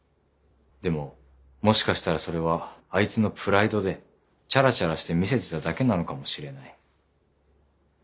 でももしかしたらそれはあいつのプライドでちゃらちゃらして見せてただけなのかもしれない。